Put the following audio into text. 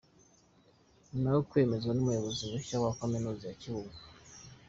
Nyuma yo kwemezwa nk’umuyobozi mushya wa Kaminuza ya Kibungo